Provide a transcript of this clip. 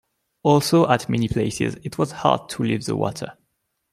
Also, at many places it was hard to leave the water.